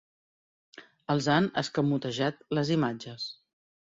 Els han escamotejat les imatges.